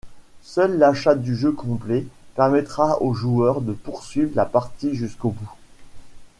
Seul l'achat du jeu complet permettra au joueur de poursuivre la partie jusqu'au bout.